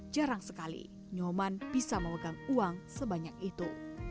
jarang sekali nyoman bisa memegang uang sebanyak itu